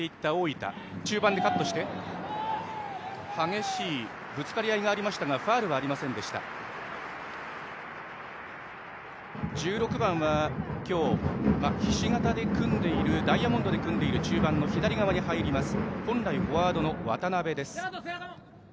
大分の１６番は今日、ひし形で組んでいるダイヤモンドで組んでいる中盤の左側に入ります本来フォワードの渡邉です。